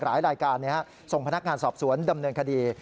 หลายรายการส่งพนักงานสอบสวนดำเนินคดี